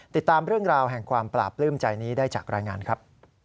ติดตามเรื่องราวแห่งความปราบปลื้มใจนี้ได้จากรายงานครับ